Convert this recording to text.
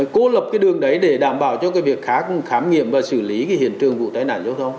cô lập cái đường đấy để đảm bảo cho cái việc khác khám nghiệm và xử lý cái hiện trường vụ tai nạn giao thông